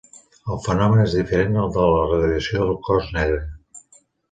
El fenomen és diferent al de la radiació de cos negre.